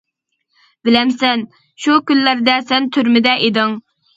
بىلەمسەن شۇ كۈنلەردە سەن تۈرمىدە ئىدىڭ.